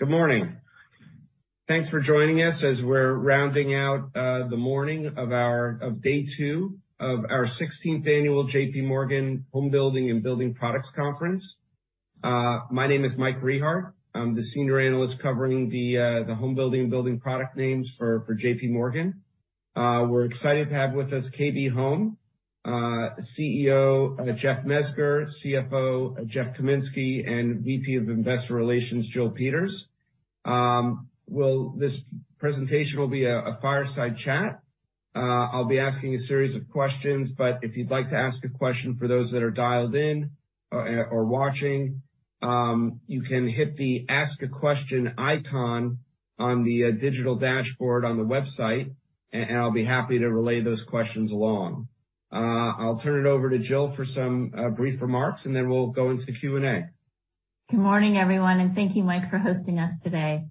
Good morning. Thanks for joining us as we're rounding out the morning of day two of our 16th Annual JPMorgan Home Building and Building Products Conference. My name is Michael Rehaut. I'm the senior analyst covering the home building and building product names for JPMorgan. We're excited to have with us KB Home, CEO Jeff Mezger, CFO Jeff Kaminski, and VP of Investor Relations, Jill Peters. Well, this presentation will be a fireside chat. I'll be asking a series of questions, but if you'd like to ask a question for those that are dialed in or watching, you can hit the Ask a Question icon on the digital dashboard on the website, and I'll be happy to relay those questions along. I'll turn it over to Jill for some brief remarks, and then we'll go into Q&A. Good morning, everyone, thank you, Mike, for hosting us today.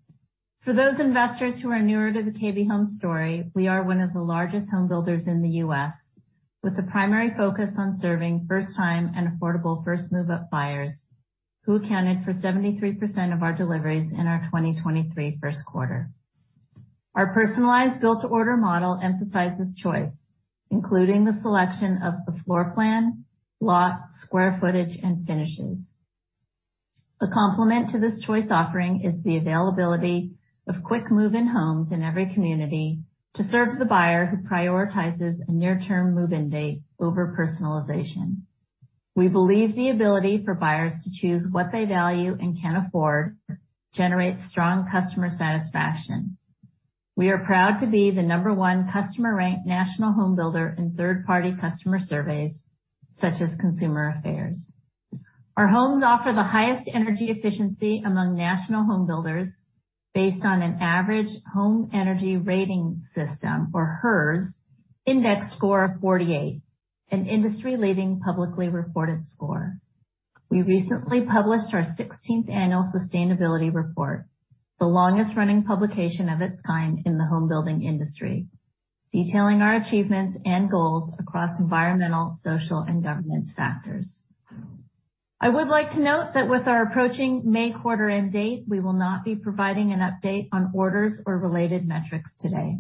For those investors who are newer to the KB Home story, we are one of the largest homebuilders in the U.S., with the primary focus on serving first-time and affordable first move-up buyers, who accounted for 73% of our deliveries in our 2023 first quarter. Our personalized build-to-order model emphasizes choice, including the selection of the floor plan, lot, square footage, and finishes. A complement to this choice offering is the availability of quick move-in homes in every community to serve the buyer who prioritizes a near-term move-in date over personalization. We believe the ability for buyers to choose what they value and can afford generates strong customer satisfaction. We are proud to be the number one customer-ranked national homebuilder in third-party customer surveys such as ConsumerAffairs. Our homes offer the highest energy efficiency among national home builders based on an average Home Energy Rating System, or HERS, index score of 48, an industry-leading publicly reported score. We recently published our 16th Annual Sustainability Report, the longest-running publication of its kind in the home building industry, detailing our achievements and goals across environmental, social, and governance factors. I would like to note that with our approaching May quarter-end date, we will not be providing an update on orders or related metrics today.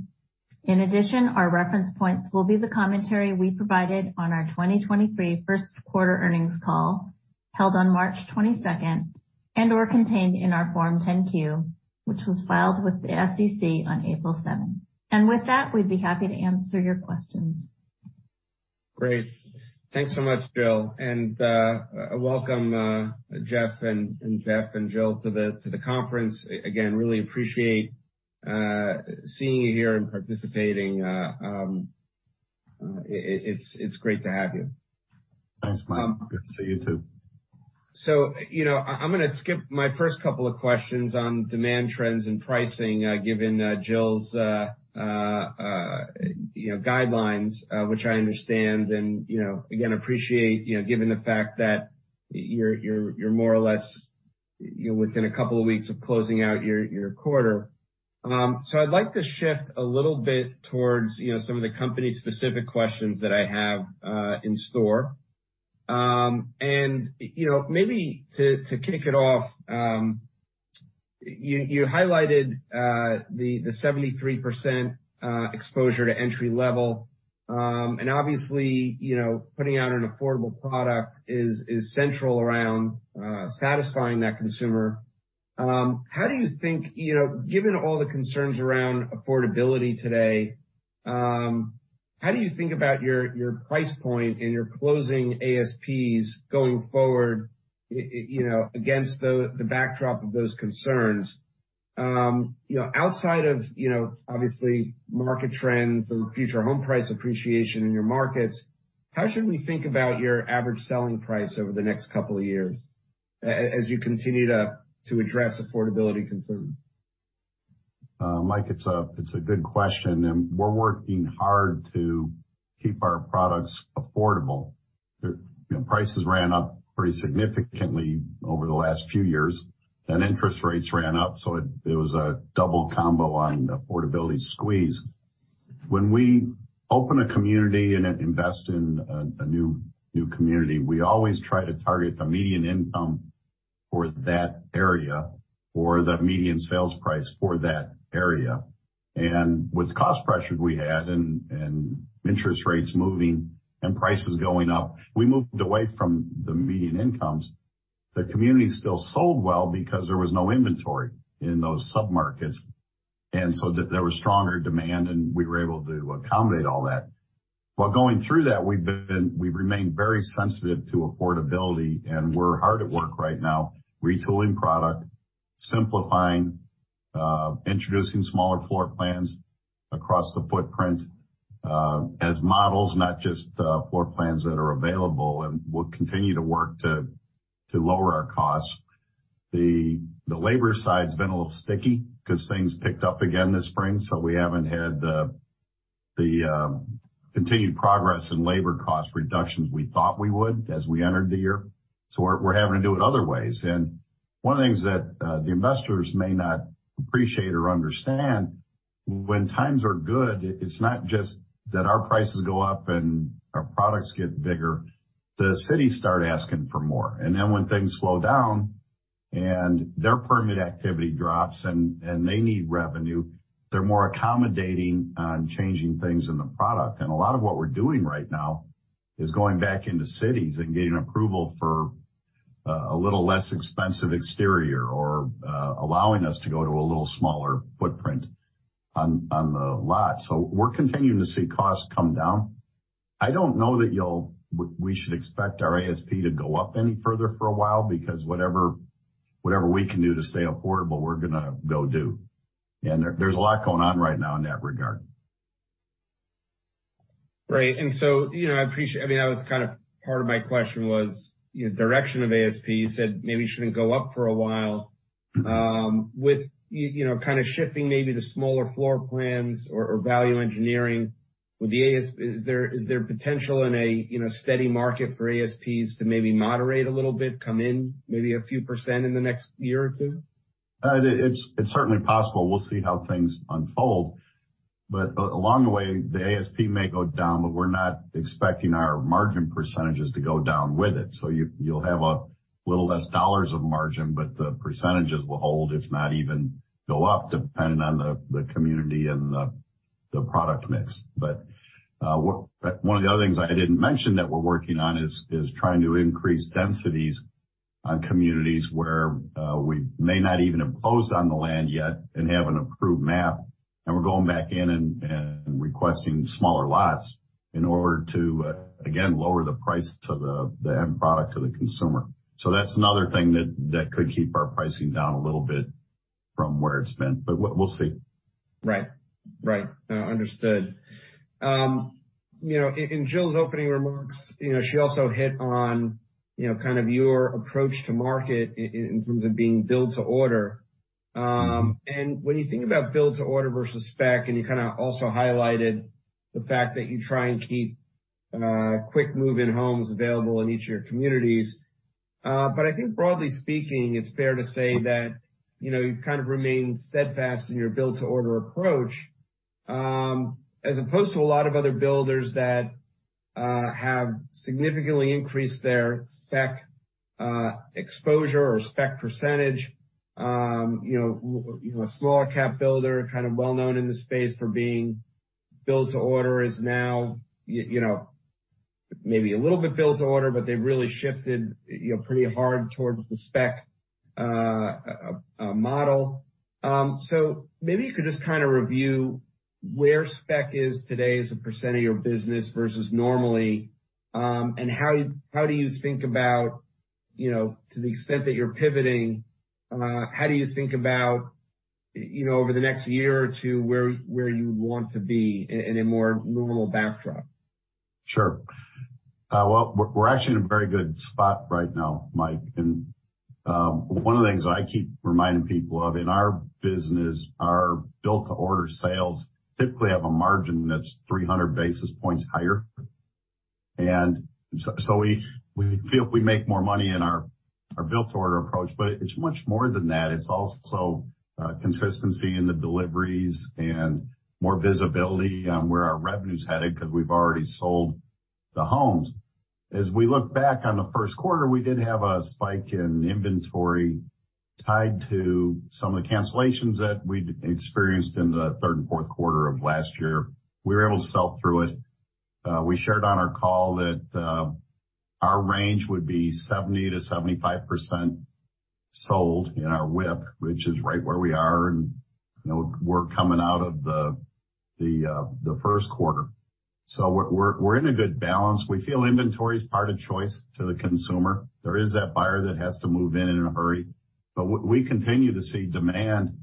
In addition, our reference points will be the commentary we provided on our 2023 1st quarter Earnings Call held on March 22nd and/or contained in our Form 10-Q, which was filed with the SEC on April 7th. With that, we'd be happy to answer your questions. Great. Thanks so much, Jill. Welcome, Jeff and Jeff and Jill to the conference. Again, really appreciate seeing you here and participating. It's great to have you. Thanks, Mike. Good to see you too. You know, I'm gonna skip my first couple of questions on demand trends and pricing, given Jill's, you know, guidelines, which I understand and, you know, again, appreciate, you know, given the fact that you're more or less, you know, within a couple of weeks of closing out your quarter. I'd like to shift a little bit towards, you know, some of the company-specific questions that I have in store. You know, maybe to kick it off, you highlighted the 73% exposure to entry level. Obviously, you know, putting out an affordable product is central around satisfying that consumer. How do you think, you know, given all the concerns around affordability today, how do you think about your price point and your closing ASPs going forward, you know, against the backdrop of those concerns? You know, outside of, you know, obviously market trends or future home price appreciation in your markets, how should we think about your average selling price over the next couple of years as you continue to address affordability concerns? Mike, it's a good question, and we're working hard to keep our products affordable. The, you know, prices ran up pretty significantly over the last few years, and interest rates ran up, so it was a double combo on the affordability squeeze. When we open a community and invest in a new community, we always try to target the median income for that area or the median sales price for that area. With cost pressures we had and interest rates moving and prices going up, we moved away from the median incomes. The community still sold well because there was no inventory in those sub-markets. There was stronger demand, and we were able to accommodate all that. While going through that, we've remained very sensitive to affordability, and we're hard at work right now retooling product, simplifying, introducing smaller floor plans across the footprint, as models, not just, floor plans that are available and we'll continue to work to lower our costs. The labor side's been a little sticky because things picked up again this spring, so we haven't had the continued progress in labor cost reductions we thought we would as we entered the year. We're having to do it other ways. One of the things that the investors may not appreciate or understand. When times are good, it's not just that our prices go up and our products get bigger. The cities start asking for more. Then when things slow down and their permit activity drops and they need revenue, they're more accommodating on changing things in the product. A lot of what we're doing right now is going back into cities and getting approval for a little less expensive exterior or allowing us to go to a little smaller footprint on the lot. We're continuing to see costs come down. I don't know that we should expect our ASP to go up any further for a while because whatever we can do to stay affordable, we're gonna go do. There's a lot going on right now in that regard. Right. You know, I mean, that was kind of part of my question was, you know, direction of ASP. You said maybe it shouldn't go up for a while. Mm-hmm. With, you know, kind of shifting maybe to smaller floor plans or value engineering, is there potential in a, in a steady market for ASPs to maybe moderate a little bit, come in maybe a few percent in the next year or two? It's, it's certainly possible. We'll see how things unfold. Along the way, the ASP may go down, but we're not expecting our margin % to go down with it. You, you'll have a little less dollars of margin, but the % will hold, if not even go up, depending on the community and the product mix. One of the other things I didn't mention that we're working on is trying to increase densities on communities where, we may not even have closed on the land yet and have an approved map, and we're going back in and requesting smaller lots in order to, again, lower the price to the end product to the consumer. That's another thing that could keep our pricing down a little bit from where it's been, but we'll see. Right. understood. You know, in Jill's opening remarks, you know, she also hit on, you know, kind of your approach to market in terms of being build-to-order. When you think about build-to-order versus spec, and you kinda also highlighted the fact that you try and keep quick move-in homes available in each of your communities. I think broadly speaking, it's fair to say that, you know, you've kind of remained steadfast in your build-to-order approach, as opposed to a lot of other builders that have significantly increased their spec exposure or spec percentage. You know, even a smaller cap builder, kind of well-known in this space for being build-to-order is now, you know, maybe a little bit build-to-order, but they've really shifted, you know, pretty hard towards the spec model. Maybe you could just kinda review where spec is today as a percentage of your business versus normally. How do you think about, you know, to the extent that you're pivoting, how do you think about, you know, over the next year or two where you want to be in a more normal backdrop? Sure. Well, we're actually in a very good spot right now, Mike. One of the things I keep reminding people of in our business, our build-to-order sales typically have a margin that's 300 basis points higher. So we feel we make more money in our build-to-order approach. It's much more than that. It's also consistency in the deliveries and more visibility on where our revenue's headed because we've already sold the homes. We look back on the first quarter, we did have a spike in inventory tied to some of the cancellations that we'd experienced in the third and fourth quarter of last year. We were able to sell through it. We shared on our call that our range would be 70%-75% sold in our WIP, which is right where we are, you know, we're coming out of the first quarter. We're in a good balance. We feel inventory is part of choice to the consumer. There is that buyer that has to move in in a hurry. We continue to see demand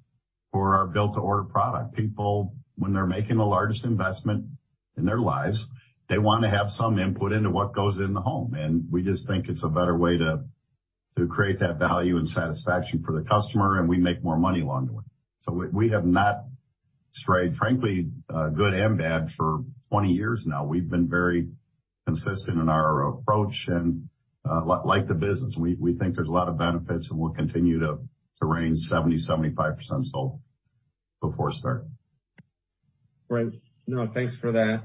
for our build-to-order product. People, when they're making the largest investment in their lives, they wanna have some input into what goes in the home. We just think it's a better way to create that value and satisfaction for the customer, and we make more money along the way. We have not strayed, frankly, good and bad for 20 years now. We've been very consistent in our approach and, like the business. We think there's a lot of benefits and we'll continue to range 70%-75% sold before it's done. Right. No, thanks for that.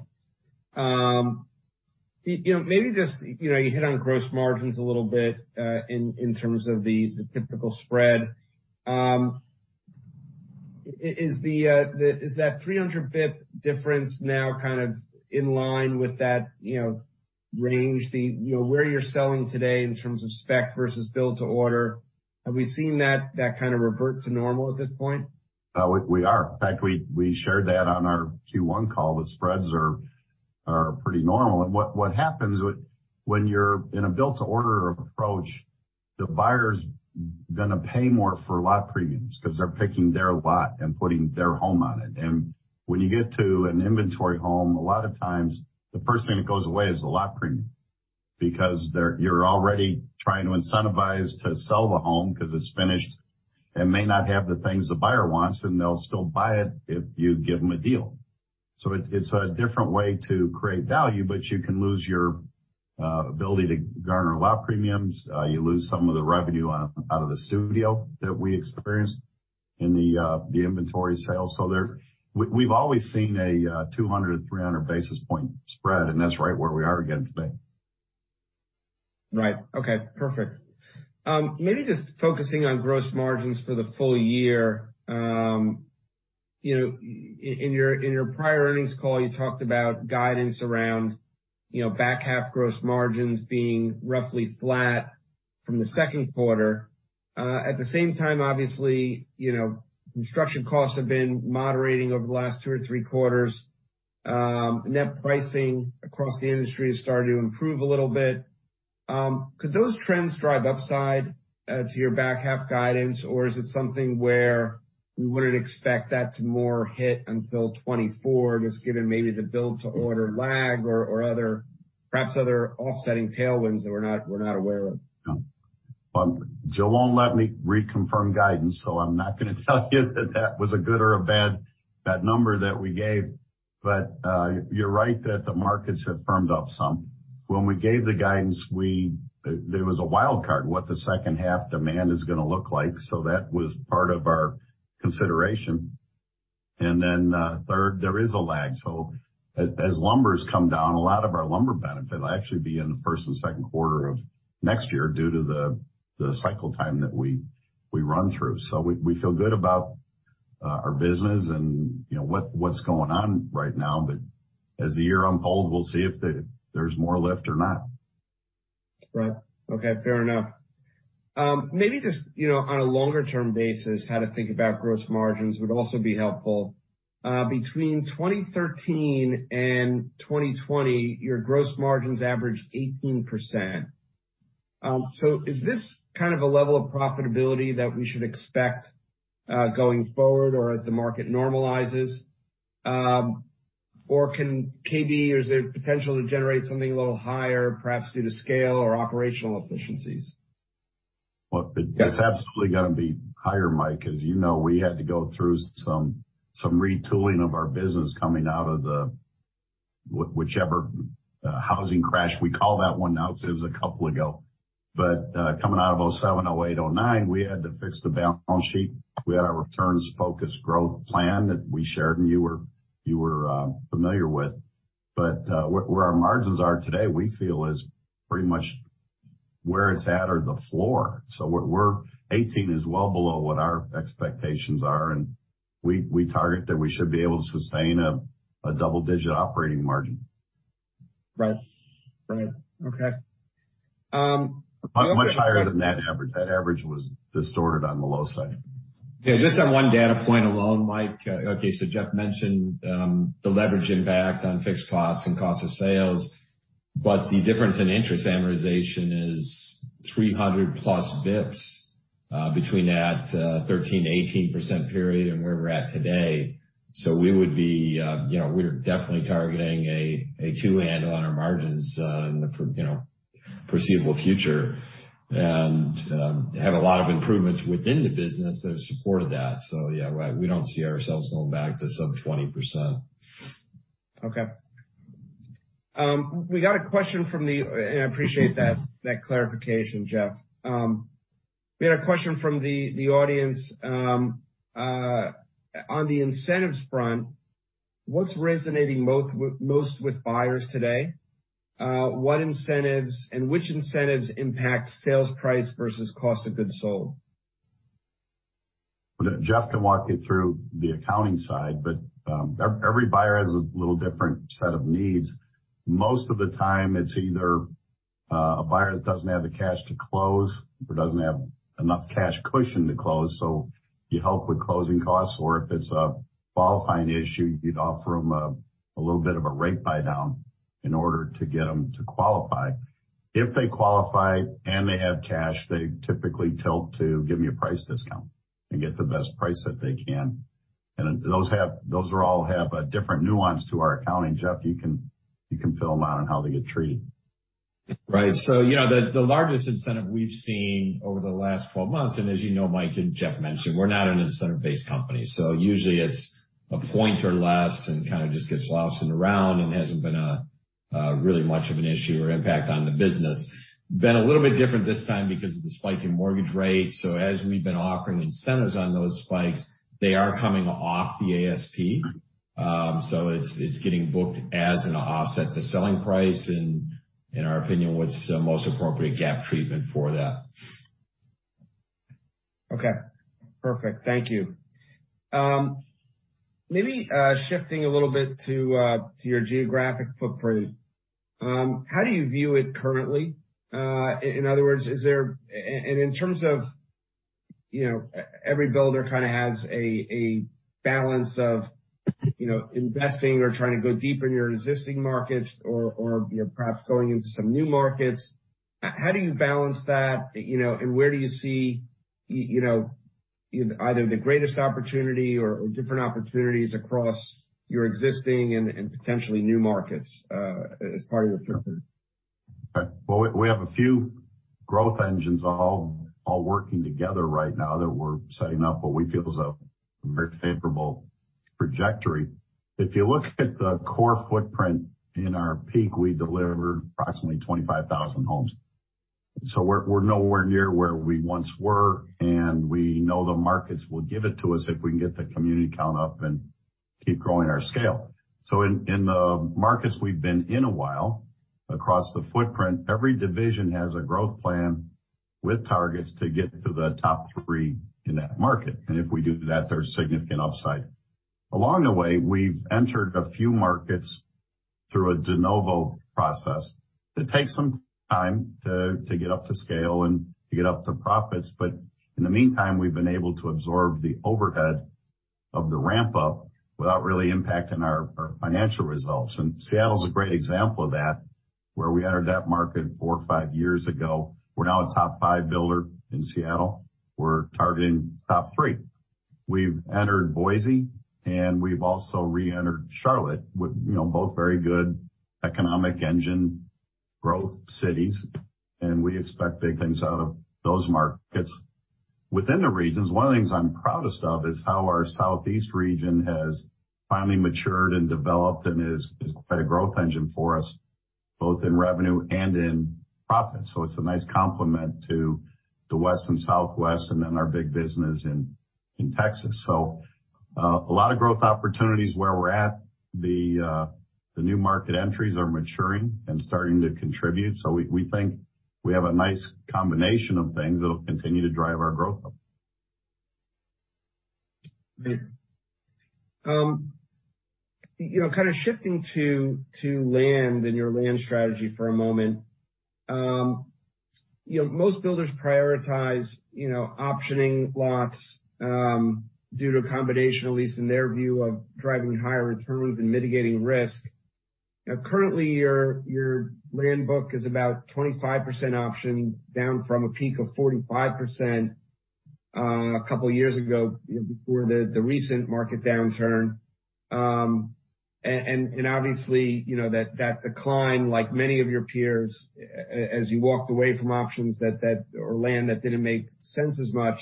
You know, maybe just, you know, you hit on gross margins a little bit, in terms of the typical spread. Is that 300 bip difference now kind of in line with that, you know, range, you know, where you're selling today in terms of spec versus build-to-order? Have we seen that kind of revert to normal at this point? We are. In fact, we shared that on our Q1 call. The spreads are pretty normal. What happens when you're in a build-to-order approach, the buyer's gonna pay more for lot premiums because they're picking their lot and putting their home on it. When you get to an inventory home, a lot of times the first thing that goes away is the lot premium because you're already trying to incentivize to sell the home because it's finished and may not have the things the buyer wants, and they'll still buy it if you give them a deal. It's a different way to create value, but you can lose your ability to garner lot premiums. You lose some of the revenue out of the studio that we experienced in the inventory sales. We've always seen a 200, 300 basis point spread, and that's right where we are again today. Right. Okay, perfect. Maybe just focusing on gross margins for the full year. you know, in your prior earnings call, you talked about guidance around, you know, back half gross margins being roughly flat from the second quarter. At the same time, obviously, you know, construction costs have been moderating over the last two or three quarters. Net pricing across the industry is starting to improve a little bit. Could those trends drive upside, to your back half guidance? Or is it something where we wouldn't expect that to more hit until 2024, just given maybe the build-to-order lag or perhaps other offsetting tailwinds that we're not, we're not aware of? Jill won't let me reconfirm guidance, so I'm not gonna tell you that was a good or a bad, that number that we gave. You're right that the markets have firmed up some. When we gave the guidance, there was a wild card what the second half demand is gonna look like, so that was part of our consideration. Third, there is a lag. As lumber come down, a lot of our lumber benefit will actually be in the first and second quarter of next year due to the cycle time that we run through. We feel good about our business and, you know, what's going on right now. As the year unfolds, we'll see if there's more lift or not. Right. Okay. Fair enough. maybe just, you know, on a longer term basis, how to think about gross margins would also be helpful. Between 2013 and 2020, your gross margins averaged 18%. Is this kind of a level of profitability that we should expect, going forward or as the market normalizes? Or can KB or is there potential to generate something a little higher, perhaps due to scale or operational efficiencies? It's absolutely gonna be higher, Mike. As you know, we had to go through some retooling of our business coming out of whichever housing crash we call that one now, because it was a couple ago. Coming out of 2007, 2008, 2009, we had to fix the balance sheet. We had our returns-focused growth plan that we shared, and you were familiar with. Where our margins are today, we feel is pretty much where it's at or the floor. 18% is well below what our expectations are, and we target that we should be able to sustain a double-digit operating margin. Right. Okay. Much higher than that average. That average was distorted on the low side. Just on one data point alone, Mike. Okay, Jeff mentioned the leverage impact on fixed costs and cost of sales, but the difference in interest amortization is 300+ bps between that 13%-18% period and where we're at today. We would be, you know, we're definitely targeting a two-hand on our margins in the you know, foreseeable future. Have a lot of improvements within the business that have supported that. Yeah, right, we don't see ourselves going back to sub 20%. Okay. I appreciate that clarification, Jeff. We had a question from the audience. On the incentives front, what's resonating most with buyers today? What incentives and which incentives impact sales price versus cost of goods sold? Jeff can walk you through the accounting side. Every buyer has a little different set of needs. Most of the time, it's either a buyer that doesn't have the cash to close or doesn't have enough cash cushion to close. You help with closing costs. If it's a qualifying issue, you'd offer them a little bit of a rate buydown in order to get them to qualify. If they qualify and they have cash, they typically tilt to give me a price discount and get the best price that they can. Those all have a different nuance to our accounting. Jeff, you can fill them out on how they get treated. Right. You know, the largest incentive we've seen over the last 12 months, as you know, Mike, and Jeff mentioned, we're not an incentive-based company. Usually it's a point or less and kind of just gets lost and around and hasn't been a really much of an issue or impact on the business. Been a little bit different this time because of the spike in mortgage rates. As we've been offering incentives on those spikes, they are coming off the ASP. It's, it's getting booked as an offset to selling price and, in our opinion, what's the most appropriate GAAP treatment for that. Okay. Perfect. Thank you. Maybe shifting a little bit to your geographic footprint. How do you view it currently? In other words, is there? In terms of, you know, every builder kind of has a balance of, you know, investing or trying to go deeper in your existing markets or, you know, perhaps going into some new markets. How do you balance that, you know, and where do you see, you know, either the greatest opportunity or different opportunities across your existing and potentially new markets, as part of your footprint? Well, we have a few growth engines all working together right now that we're setting up what we feel is a very favorable trajectory. If you look at the core footprint in our peak, we deliver approximately 25,000 homes. We're nowhere near where we once were, and we know the markets will give it to us if we can get the community count up and keep growing our scale. In the markets we've been in a while across the footprint, every division has a growth plan with targets to get to the top three in that market. If we do that, there's significant upside. Along the way, we've entered a few markets through a de novo process that takes some time to get up to scale and to get up to profits. In the meantime, we've been able to absorb the overhead of the ramp up without really impacting our financial results. Seattle's a great example of that, where we entered that market four or five years ago. We're now a top five builder in Seattle. We're targeting top three. We've entered Boise, and we've also reentered Charlotte with, you know, both very good economic engine growth cities, and we expect big things out of those markets. Within the regions, one of the things I'm proudest of is how our southeast region has finally matured and developed and is quite a growth engine for us, both in revenue and in profit. It's a nice complement to the west and southwest and then our big business in Texas. A lot of growth opportunities where we're at. The, the new market entries are maturing and starting to contribute. We think we have a nice combination of things that'll continue to drive our growth. You know, kind of shifting to land and your land strategy for a moment. You know, most builders prioritize, you know, optioning lots, due to a combination, at least in their view, of driving higher returns and mitigating risk. Currently your land book is about 25% option, down from a peak of 45%, a couple years ago before the recent market downturn. Obviously, you know, that decline, like many of your peers as you walked away from options that or land that didn't make sense as much,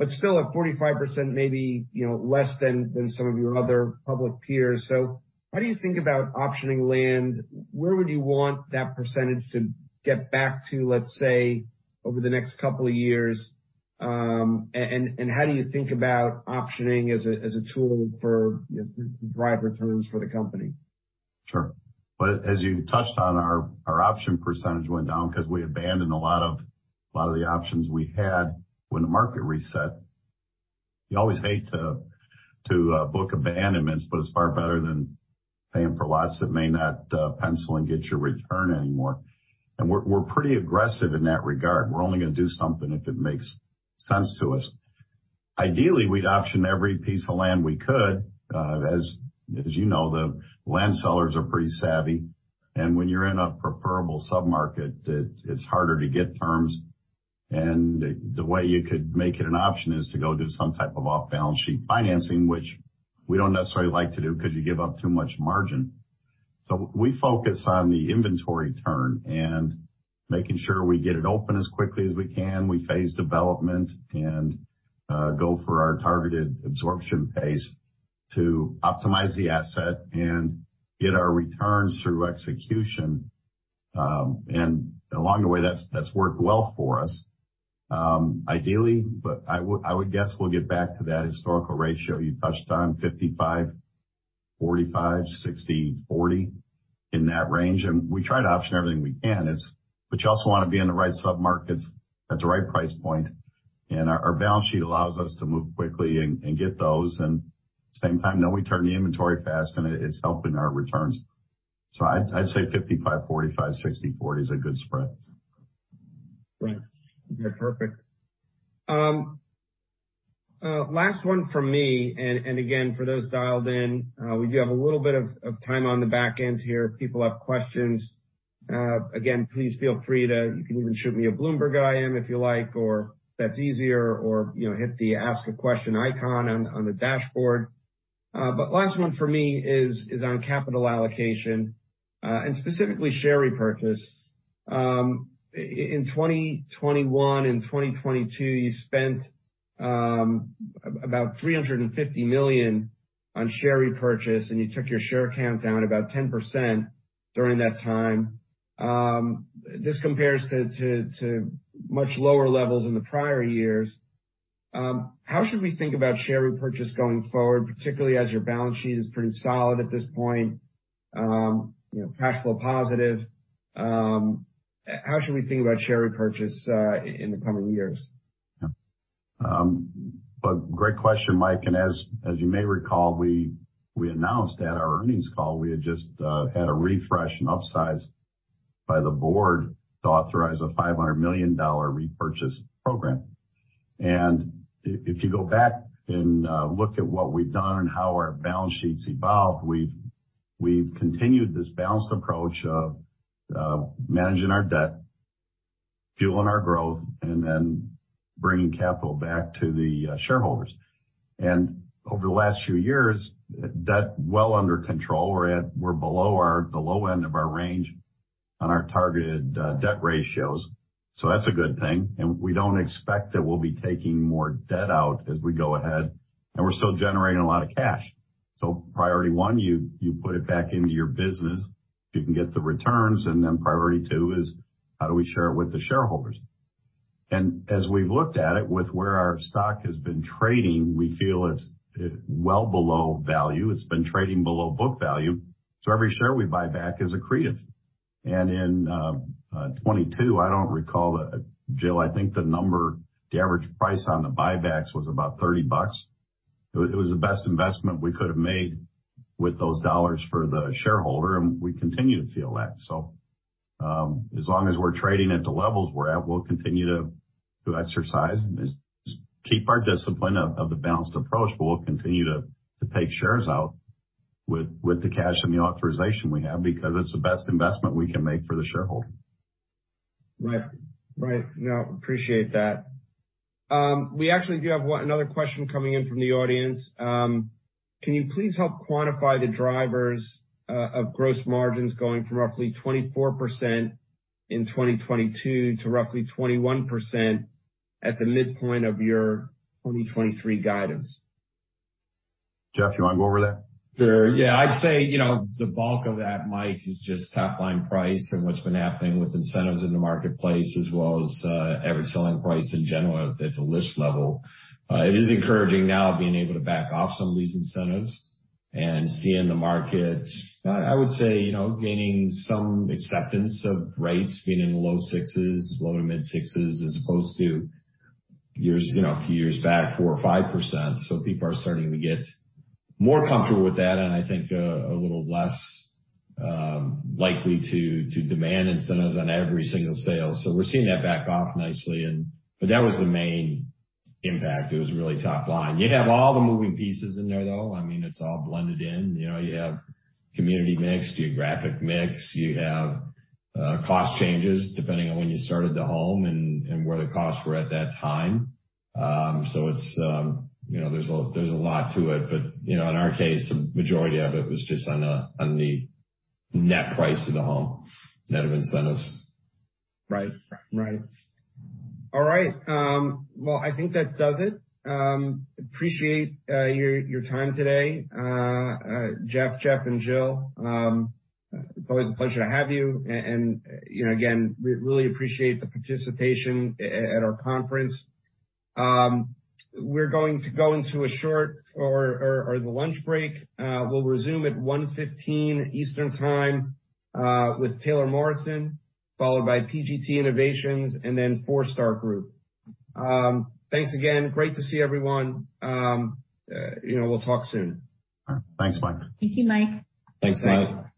but still at 45%, maybe, you know, less than some of your other public peers. How do you think about optioning land? Where would you want that percentage to get back to, let's say, over the next couple of years? And how do you think about optioning as a tool for, you know, to drive returns for the company? Sure. Well, as you touched on our option percentage went down 'cause we abandoned a lot of, a lot of the options we had when the market reset. You always hate to book abandonments, but it's far better than paying for lots that may not pencil and get your return anymore. We're pretty aggressive in that regard. We're only gonna do something if it makes sense to us. Ideally, we'd option every piece of land we could. As you know, the land sellers are pretty savvy, and when you're in a preferable sub-market, it's harder to get terms. The way you could make it an option is to go do some type of off-balance sheet financing, which we don't necessarily like to do because you give up too much margin. We focus on the inventory turn and making sure we get it open as quickly as we can. We phase development and go for our targeted absorption pace to optimize the asset and get our returns through execution. Along the way, that's worked well for us. Ideally, I would guess we'll get back to that historical ratio you touched on, 55/45, 60/40, in that range. We try to option everything we can. You also wanna be in the right sub-markets at the right price point. Our balance sheet allows us to move quickly and get those. Same time, now we turn the inventory fast and it's helping our returns. I'd say 55/45, 60/40 is a good spread. Great. Okay, perfect. Last one from me. Again, for those dialed in, we do have a little bit of time on the back end here if people have questions. Again, please feel free to, you can even shoot me a Bloomberg IM if you like, or that's easier, or, you know, hit the Ask a Question icon on the dashboard. Last one for me is on capital allocation, and specifically share repurchase. In 2021 and 2022, you spent about $350 million on share repurchase, and you took your share count down about 10% during that time. This compares to much lower levels in the prior years. How should we think about share repurchase going forward, particularly as your balance sheet is pretty solid at this point, you know, cash flow positive? How should we think about share repurchase, in the coming years? Well, great question, Mike. As you may recall, we announced at our earnings call we had just had a refresh and upsize by the board to authorize a $500 million repurchase program. If you go back and look at what we've done and how our balance sheet's evolved, we've continued this balanced approach of managing our debt fueling our growth and then bringing capital back to the shareholders. Over the last few years, debt well under control. We're below our the low end of our range on our targeted debt ratios. That's a good thing. We don't expect that we'll be taking more debt out as we go ahead. We're still generating a lot of cash. Priority one, you put it back into your business if you can get the returns. Priority two is, how do we share it with the shareholders? As we've looked at it with where our stock has been trading, we feel it's well below value. It's been trading below book value. Every share we buy back is accretive. In 2022, I don't recall Jill, I think the number, the average price on the buybacks was about $30. It was the best investment we could have made with those dollars for the shareholder, and we continue to feel that. As long as we're trading at the levels we're at, we'll continue to exercise. Just keep our discipline of the balanced approach, but we'll continue to take shares out with the cash and the authorization we have because it's the best investment we can make for the shareholder. Right. Right. No, appreciate that. We actually do have another question coming in from the audience. Can you please help quantify the drivers, of gross margins going from roughly 24% in 2022 to roughly 21% at the midpoint of your 2023 guidance? Jeff, you want to go over that? Sure. Yeah. I'd say, you know, the bulk of that, Mike, is just top line price and what's been happening with incentives in the marketplace as well as average selling price in general at the list level. It is encouraging now being able to back off some of these incentives and seeing the market, I would say, you know, gaining some acceptance of rates being in the low sixes, lower mid sixes, as opposed to years, you know, a few years back, 4% or 5%. People are starting to get more comfortable with that and I think a little less likely to demand incentives on every single sale. We're seeing that back off nicely but that was the main impact. It was really top line. You have all the moving pieces in there, though. I mean, it's all blended in. You know, you have community mix, geographic mix. You have cost changes depending on when you started the home and where the costs were at that time. It's, you know, there's a, there's a lot to it. You know, in our case, the majority of it was just on the, on the net price of the home, net of incentives. Right. Right. All right. Well, I think that does it. Appreciate your time today. Jeff and Jill, always a pleasure to have you. You know, again, we really appreciate the participation at our conference. We're going to go into a short or the lunch break. We'll resume at 1:15 P.M. Eastern time, with Taylor Morrison, followed by PGT Innovations and then Forestar Group. Thanks again. Great to see everyone. You know, we'll talk soon. Thanks, Mike. Thank you, Mike. Thanks, Mike.